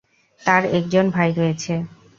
তার একজন ভাই রয়েছে।